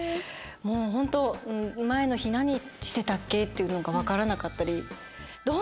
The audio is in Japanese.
もうホント前の日何してたっけっていうのが分からなかったり。